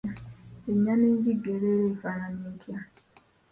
Ennyama enjigge ebeera efaanana etya?